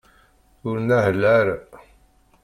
Ur neɛɛel ara.